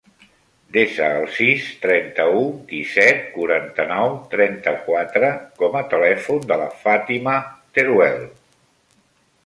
Desa el sis, trenta-u, disset, quaranta-nou, trenta-quatre com a telèfon de la Fàtima Teruel.